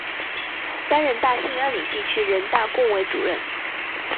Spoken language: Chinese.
担任大兴安岭地区人大工委主任。